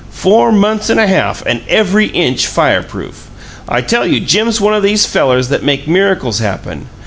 Four months and a half, and every inch fireproof! I tell you Jim's one o' these fellers that make miracles happen!